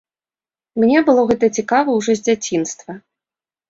Мне было гэта цікава ўжо з дзяцінства.